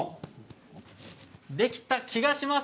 できた気がします。